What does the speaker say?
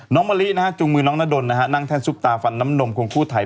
มะลินะฮะจูงมือน้องนาดลนั่งแท่นซุปตาฟันน้ำนมควงคู่ไทย